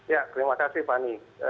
ya terima kasih pani